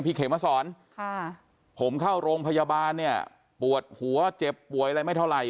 เขมมาสอนผมเข้าโรงพยาบาลเนี่ยปวดหัวเจ็บป่วยอะไรไม่เท่าไหร่